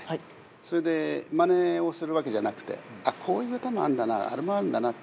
それでまねをするわけじゃなくて、あっ、こういう歌もあるんだな、あれもあるんだなって。